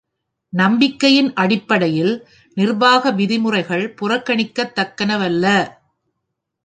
நம்பிக்கையின் அடிப்படையில் நிர்வாக விதிமுறைகள் புறக்கணிக்கத் தக்கனவல்ல.